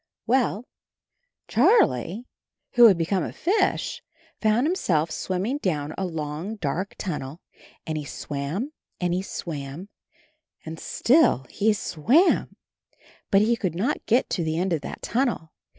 Well, Charlie, who had become a fish, found himself swimming down a long dark tunnel, and he swam and he swam and still he swam, but he could not get to the end of that tunnel.